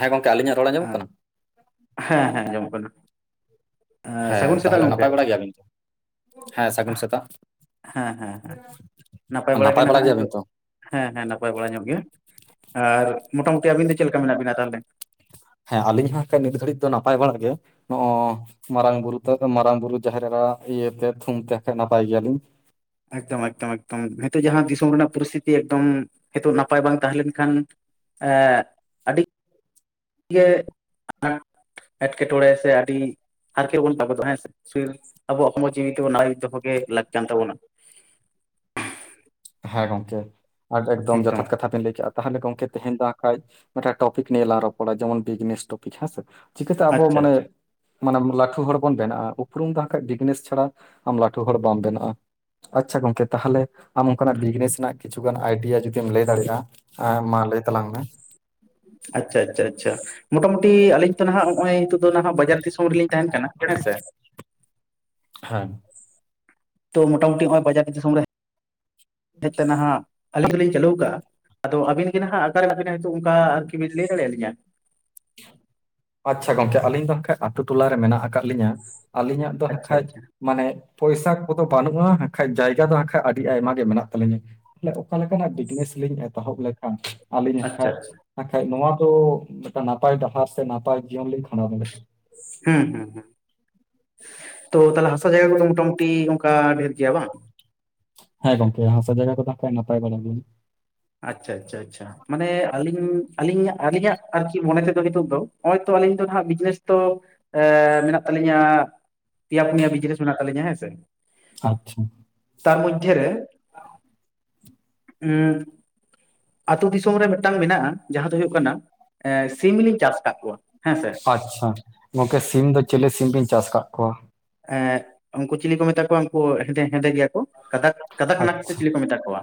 ᱦᱮᱸ ᱜᱚᱢᱠᱮ ᱟᱞᱤᱧᱟᱜ ᱨᱚᱲ ᱟᱸᱡᱚᱢᱚᱜ ᱟᱸ ᱠᱟᱱᱟ? ᱦᱮᱸ ᱦᱮᱸ ᱟᱸᱡᱚᱢᱚᱜ ᱠᱟᱱᱟ ᱦᱮᱸ ᱥᱟᱹᱜᱩᱱ ᱥᱮᱛᱟᱜ ᱜᱚᱢᱠᱮ ᱾ [unintelligible] ᱦᱮᱸ ᱥᱟᱹᱜᱩᱱ ᱥᱮᱛᱟᱜ ᱦᱮᱸ ᱦᱮᱸ ᱦᱮᱸ ᱱᱟᱯᱟᱭ ᱵᱟᱲᱟ ᱜᱮ ᱱᱟᱦᱟᱜ ᱱᱤᱛᱚᱜ ᱫᱚ ᱾ ᱦᱮᱸ ᱦᱮᱸ ᱱᱟᱯᱟᱭ ᱵᱟᱲᱟ ᱧᱚᱜ ᱜᱮ ᱟᱨ ᱢᱚᱴᱟ ᱢᱩᱴᱤ ᱟᱵᱤᱱ ᱫᱚ ᱪᱮᱫ ᱞᱮᱠᱟ ᱢᱮᱱᱟᱜ ᱵᱤᱱᱟ ᱛᱟᱦᱚᱞᱮ? ᱦᱮᱸ ᱟᱹᱞᱤᱧ ᱦᱚᱸ ᱱᱤᱛ ᱜᱷᱟᱹᱲᱤᱡ ᱫᱚ ᱱᱟᱯᱟᱭ ᱵᱟᱲᱟᱜ ᱜᱮ ᱱᱚ-ᱚᱭ ᱢᱟᱨᱟᱝ ᱵᱩᱨᱩ ᱛᱮᱫ ᱢᱟᱨᱟᱝ ᱵᱩᱨᱩ - ᱡᱟᱦᱮᱨ ᱮᱨᱟ ᱟᱜ ᱤᱭᱟᱹᱛᱮ ᱛᱷᱩᱢ ᱛᱮ ᱱᱟᱜᱠᱷᱟᱱ ᱱᱟᱯᱟᱭ ᱜᱮᱭᱟᱞᱤᱧ ᱾ ᱮᱠᱫᱚᱢ ᱮᱠᱫᱚᱢ ᱮᱠᱫᱚᱢ ᱱᱤᱛᱚᱜ ᱡᱟᱦᱟᱸ ᱫᱤᱥᱚᱢ ᱨᱮᱱᱟᱜ ᱯᱚᱨᱤᱥᱛᱤᱛᱷᱤ ᱮᱠᱫᱚᱢ ᱱᱤᱛᱚᱜ ᱱᱟᱯᱟᱭ ᱵᱟᱝ ᱛᱟᱦᱮᱸ ᱞᱮᱱᱠᱷᱟᱱ [unintelligible] ᱮᱴᱠᱮᱴᱚᱲᱮ ᱥᱮ ᱟᱹᱰᱤ [inaudible] ᱦᱮᱸ ᱜᱚᱢᱠᱮ ᱱᱚᱣᱟ ᱫᱚ ᱮᱠᱫᱚᱢ ᱡᱚᱛᱷᱟᱛ ᱠᱟᱛᱷᱟ ᱵᱮᱱ ᱞᱟᱹᱭ ᱠᱮᱜ-ᱟ᱾ ᱛᱟᱦᱚᱞᱮ ᱜᱚᱢᱠᱮ ᱛᱮᱦᱮᱧ ᱫᱚ ᱟᱠᱷᱟᱡ ᱢᱤᱫᱴᱟᱝ ᱴᱚᱯᱤᱠ ᱱᱤᱭᱮᱞᱟᱝ ᱨᱚᱯᱚᱲᱟ ᱡᱮᱢᱚᱱ ᱵᱤᱡᱽᱱᱮᱥ ᱴᱚᱯᱤᱠ ᱦᱮᱸᱥᱮ ᱾ ᱪᱤᱠᱟᱹᱛᱮ ᱟᱵᱚ ᱟᱪᱪᱷᱟ ᱢᱟᱱᱮ ᱟᱪᱪᱷᱟ ᱢᱟᱱᱮ ᱞᱟᱹᱴᱩ ᱦᱚᱲ ᱵᱚᱱ ᱵᱮᱱᱟᱜ-ᱟ ᱩᱯᱨᱩᱢ ᱵᱟᱝ ᱠᱷᱟᱡ ᱵᱤᱡᱽᱱᱮᱥ ᱪᱷᱟᱲᱟ ᱟᱢ ᱞᱟᱹᱴᱩ ᱦᱚᱲ ᱵᱟᱢ ᱵᱮᱱᱟᱜ-ᱟ᱾ ᱟᱪᱪᱷᱟ ᱜᱚᱢᱠᱮ ᱛᱟᱦᱚᱞᱮ ᱟᱢ ᱚᱱᱠᱟᱱᱟᱜ ᱵᱤᱡᱽᱱᱮᱥ ᱨᱮᱱᱟᱜ ᱠᱤᱪᱷᱩ ᱜᱟᱱ ᱟᱭᱰᱤᱭᱟ ᱡᱩᱫᱤᱢ ᱞᱟᱹᱭ ᱫᱟᱲᱮᱭᱟᱜ-ᱟ ᱢᱟ ᱞᱟᱹᱭ ᱛᱟᱞᱟᱝ ᱢᱮ᱾ ᱟᱪᱪᱷᱟ ᱟᱪᱪᱷᱟ ᱟᱪᱪᱷᱟ ᱢᱚᱴᱟᱢᱩᱴᱤ ᱟᱞᱤᱧ ᱛᱚ ᱱᱟᱦᱟᱜ ᱱᱚ-ᱚᱭ ᱟᱞᱤᱧ ᱫᱚ ᱱᱟᱦᱟᱜ ᱵᱟᱡᱟᱨ ᱫᱤᱥᱚᱢ ᱨᱮᱞᱤᱧ ᱛᱟᱦᱮᱱ ᱠᱟᱱᱟ ᱦᱮᱸ ᱥᱮ᱾ ᱦᱮᱸ ᱾ ᱛᱚ ᱢᱚᱴᱟᱢᱩᱴᱤ ᱱᱚ-ᱚᱭ ᱵᱟᱡᱟᱨ ᱫᱤᱥᱚᱢ ᱨᱮ ᱦᱮᱡ ᱛᱮ ᱱᱟᱜ ᱟᱹᱞᱤᱧ ᱫᱚᱞᱤᱧ ᱪᱟᱹᱞᱩᱣ ᱟᱠᱟᱜ-ᱟ ᱟᱫᱚ ᱟᱹᱵᱤᱱ ᱜᱮ ᱱᱟᱦᱟᱜ ᱟᱠᱟ ᱨᱮ ᱢᱮᱱᱟᱜ ᱵᱤᱱᱟ ᱚᱱᱠᱟ ᱟᱨᱠᱤ ᱵᱤᱱ ᱞᱟᱹᱭ ᱫᱟᱲᱮᱭᱟ ᱞᱤᱧᱟ? ᱟᱪᱪᱷᱟ ᱜᱚᱢᱠᱮ ᱟᱹᱞᱤᱧ ᱫᱚ ᱦᱟᱸᱠ ᱠᱷᱟᱡ ᱟᱛᱳ ᱴᱚᱞᱟᱨᱮ ᱢᱮᱱᱟᱜ ᱟᱠᱟᱫ ᱞᱤᱧᱟᱹ ᱟᱹᱞᱤᱧᱟᱜ ᱫᱚ ᱦᱟᱸᱜ ᱟᱪᱪᱷᱟ ᱠᱷᱟᱡ ᱟᱪᱪᱷᱟ ᱢᱟᱱᱮ ᱯᱚᱭᱥᱟ ᱠᱚᱫᱚ ᱵᱟᱹᱱᱩᱜ-ᱟ ᱟᱠᱷᱟᱡ ᱡᱟᱭᱜᱟ ᱫᱚ ᱠᱷᱟᱡ ᱟᱹᱰᱤ ᱟᱭᱢᱟ ᱜᱮ ᱢᱮᱱᱟᱜ ᱛᱟᱹᱞᱤᱧᱟ ᱾ ᱛᱟᱦᱚᱞᱮ ᱚᱠᱟ ᱞᱮᱠᱟᱱᱟᱜ ᱵᱤᱡᱽᱱᱮᱥ ᱞᱤᱧ ᱮᱛᱚᱦᱚᱵ ᱞᱮᱠᱷᱟᱱ ᱟᱹᱞᱤᱧ ᱟᱪᱪᱷᱟ ᱟᱠᱷᱟᱡ ᱟᱪᱪᱷᱟ ᱟᱠᱷᱟᱡ ᱱᱚᱣᱟ ᱫᱚ ᱢᱤᱫᱴᱟᱝ ᱱᱟᱯᱟᱭ ᱰᱟᱦᱟᱨ ᱥᱮ ᱱᱟᱯᱟᱭ ᱡᱤᱭᱚᱱ ᱞᱤᱧ ᱠᱷᱟᱸᱰᱟᱣ ᱫᱮᱲᱮᱜ ᱾ ᱦᱮᱸ ᱦᱮᱸ ᱛᱚ ᱛᱟᱦᱚᱞᱮ ᱛᱚ ᱦᱟᱥᱟ ᱡᱟᱭᱜᱟ ᱠᱚᱫᱚ ᱢᱚᱴᱟᱢᱩᱴᱤ ᱚᱱᱠᱟ ᱰᱷᱮᱨ ᱜᱮᱭᱟ ᱵᱟᱝ? ᱦᱮᱸ ᱜᱚᱢᱠᱮ ᱦᱟᱥᱟ ᱡᱟᱭᱜᱟ ᱠᱚᱫᱚ ᱱᱟᱯᱟᱭ ᱵᱟᱲᱟ ᱜᱮᱭᱟ᱾ ᱟᱪᱪᱷᱟ ᱟᱪᱪᱷᱟ ᱟᱪᱪᱷᱟ ᱾ ᱢᱟᱱᱮ ᱟᱹᱞᱤᱧ ᱟᱹᱞᱤᱧᱟᱜ ᱟᱹᱞᱤᱧᱟᱜ ᱟᱨᱠᱤ ᱢᱚᱱᱮ ᱛᱮᱫᱚ ᱱᱤᱛᱚᱜ ᱫᱚ ᱱᱚ-ᱚᱭ ᱛᱚ ᱟᱞᱤᱧ ᱫᱚ ᱦᱟᱹᱜ ᱵᱤᱡᱽᱱᱮᱥ ᱫᱚ ᱮ ᱢᱮᱱᱟᱜ ᱛᱟᱞᱤᱧᱟ ᱯᱮᱭᱟ ᱯᱩᱱᱭᱟ ᱵᱤᱡᱽᱱᱮᱥ ᱢᱮᱱᱟᱜ ᱛᱟᱞᱤᱧᱟ ᱦᱮᱸ ᱥᱮ᱾ ᱟᱪᱪᱷᱟ ᱾ ᱛᱟᱨ ᱢᱚᱫᱽᱫᱷᱮ ᱨᱮ [unintelligible] ᱟᱛᱳ ᱫᱤᱥᱚᱢ ᱨᱮ ᱢᱤᱫᱴᱟᱝ ᱢᱮᱱᱟᱜ-ᱟ ᱡᱟᱦᱟᱸ ᱫᱚ ᱦᱩᱭᱩᱜ ᱠᱟᱱᱟ ᱥᱤᱢᱤᱞᱤᱧ ᱪᱟᱥ ᱟᱠᱟᱫ ᱠᱚᱣᱟ᱾ ᱦᱮᱸ ᱥᱮ ᱟᱪᱪᱷᱟ ᱜᱚᱝᱠᱮ ᱥᱤᱢ ᱫᱚ ᱪᱤᱞᱤ ᱥᱤᱢ ᱵᱤᱱ ᱪᱟᱥ ᱟᱠᱟᱫ ᱠᱚᱣᱟ? ᱮᱸᱜ ᱩᱱᱠᱩ ᱪᱤᱞᱤ ᱠᱚ ᱢᱮᱛᱟ ᱠᱚᱣᱟ ᱩᱱᱠᱩ ᱦᱮᱸᱫᱮ ᱦᱮᱸᱫᱮ ᱜᱮᱭᱟ ᱠᱚ᱾ ᱠᱟᱛᱷᱟᱠ ᱠᱟᱛᱷᱟᱠ ᱱᱟᱠ ᱥᱮ ᱟᱪᱪᱷᱟ ᱪᱤᱞᱤ ᱠᱚ ᱢᱮᱛᱟ ᱠᱚᱣᱟ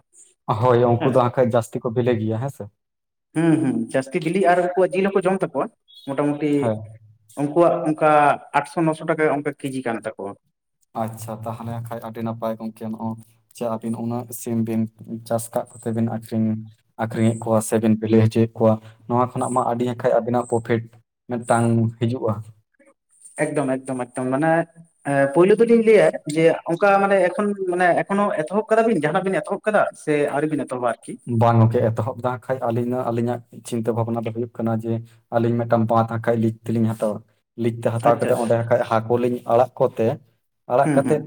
ᱦᱮᱸ ᱥᱮ᱾ ᱛᱤ ᱠᱚ ᱵᱷᱤᱞᱮ ᱜᱮᱭᱟ ᱦᱸᱮ ᱥᱮ᱾ ᱦᱩᱸ ᱦᱩᱸ ᱡᱟᱹᱥᱛᱤ ᱵᱤᱞᱤ ᱟᱨ ᱩᱱᱠᱩᱣᱟᱜ ᱡᱤᱞ ᱦᱚᱸᱠᱚ ᱡᱚᱢ ᱛᱟᱠᱚᱣᱟ ᱢᱳᱚᱴᱟᱢᱩᱴᱤ ᱦᱮᱸ ᱩᱱᱠᱩᱣᱟᱜ ᱚᱱᱠᱟ ᱟᱴᱥᱚ ᱱᱚᱥᱚ ᱴᱟᱠᱟ ᱚᱱᱠᱟ ᱠᱮᱡᱤ ᱠᱟᱱ ᱛᱟᱠᱚᱣᱟ᱾ ᱟᱪᱪᱷᱟ ᱛᱟᱦᱚᱞᱮ ᱦᱟᱸᱠᱷᱟᱱᱡ ᱟᱹᱰᱤ ᱱᱟᱯᱟᱭ ᱜᱚᱢᱠᱮ ᱱᱚᱜ-ᱚᱭ᱾ ᱪᱮ ᱟᱹᱵᱤᱱ ᱩᱱᱟᱹᱜ ᱥᱤᱢ ᱵᱤᱱ ᱪᱟᱥ ᱠᱟᱜ ᱠᱚᱛᱮ ᱵᱤᱱ ᱟᱠᱷᱨᱤᱧ ᱟᱠᱷᱨᱤᱧᱮᱫ ᱠᱚᱣᱟ ᱥᱮ ᱵᱤᱱ ᱵᱮᱞᱮ ᱦᱚᱪᱚᱭᱮᱫ ᱠᱚᱣᱟ᱾ ᱱᱚᱣᱟ ᱠᱷᱚᱱᱟᱜ ᱢᱟ ᱟᱹᱰᱤ ᱦᱟᱜᱠᱷᱟᱡ ᱟᱵᱤᱱᱟᱜ ᱯᱨᱚᱯᱷᱤᱴ ᱢᱤᱫᱴᱟᱝ ᱦᱤᱡᱩᱜᱼᱟ᱾ ᱮᱠᱫᱚᱢ ᱮᱠᱫᱚᱢ ᱮᱠᱫᱚᱢ ᱢᱟᱱᱮ ᱮ ᱯᱩᱭᱭᱞᱳ ᱫᱚᱞᱤᱧ ᱞᱟᱹᱭᱟ ᱡᱮ ᱚᱱᱠᱟ ᱢᱟᱱᱮ ᱮᱠᱷᱚᱱ ᱢᱟᱱᱮ ᱮᱠᱷᱚᱱᱚ ᱮᱛᱚᱦᱚᱵ ᱠᱟᱫᱟ ᱵᱤᱱ ᱡᱟᱦᱟᱸᱱᱟᱜ ᱵᱤᱱ ᱮᱛᱚᱦᱚᱵ ᱠᱟᱫᱟ ᱥᱮ ᱟᱣᱨᱤ ᱵᱤᱱ ᱮᱛᱚᱦᱚᱵᱟ ᱟᱨᱠᱤ᱾ ᱵᱟᱝ ᱜᱚᱝᱠᱮ ᱮᱛᱚᱦᱚᱵ ᱫᱚ ᱦᱟᱸᱜ ᱠᱷᱟᱡ ᱟᱹᱞᱤᱧ ᱫᱚ ᱟᱹᱞᱤᱧᱟᱜ ᱪᱤᱱᱛᱟᱹ ᱵᱷᱟᱵᱱᱟ ᱫᱚ ᱦᱩᱭᱩᱜ ᱠᱟᱱᱟ ᱡᱮ ᱟᱹᱞᱤᱧ ᱢᱤᱫᱴᱟᱝ ᱵᱟᱸᱫ ᱦᱟᱸᱜᱠᱟᱡ ᱞᱤᱡ ᱛᱮᱞᱤᱧ ᱦᱟᱛᱟᱣᱟ᱾ ᱞᱤᱡ ᱛᱮ ᱦᱟᱛᱟᱣ ᱟᱪᱪᱷᱟ ᱠᱟᱛᱮᱫ ᱟᱪᱪᱷᱟ ᱚᱸᱰᱮ ᱦᱟᱠᱷᱟᱡ ᱦᱟᱹᱠᱩ ᱞᱤᱧ ᱟᱲᱟᱜ ᱠᱚᱛᱮ, ᱟᱲᱟᱜ ᱦᱩᱸ ᱦᱩᱸ ᱠᱟᱛᱮᱫ